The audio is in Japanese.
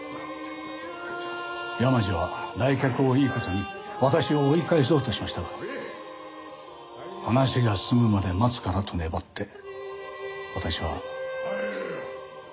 山路は来客をいい事に私を追い返そうとしましたが話が済むまで待つからと粘って私は隣の書斎に移りました。